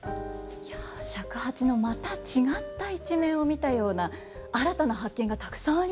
いや尺八のまた違った一面を見たような新たな発見がたくさんありました。